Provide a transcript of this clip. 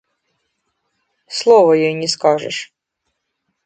Слова ёй не скажаш.